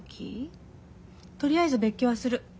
とりあえず別居はする。